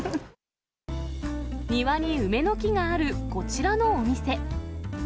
庭に梅の木があるこちらのお店。